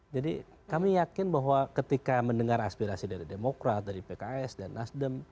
jadi kami yakin bahwa ketika mendengar aspirasi dari demokrat dari pks dan nasdem